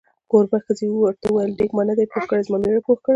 کوربې ښځې ورته وویل: دیګ ما نه دی پوخ کړی، زما میړه پوخ کړی.